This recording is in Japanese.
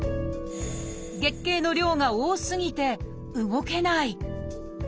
月経の量が多すぎて動けない。